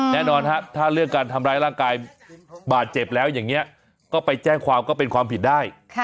แน่นอนฮะถ้าเรื่องการทำร้ายร่างกายบาดเจ็บแล้วอย่างนี้ก็ไปแจ้งความก็เป็นความผิดได้